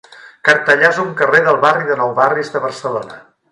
Cartellà és un carrer del barri de Nou Barris de Barcelona.